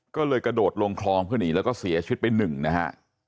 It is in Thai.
ก็เลยกระโดดลงคลองเพื่อหนีแล้วก็เสียชีวิตไปหนึ่งนะฮะ